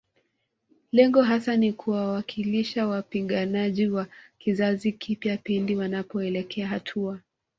Lengo hasa ni kuwawakilisha wapiganaji wa kizazi kipya pindi wanapoelekea hatua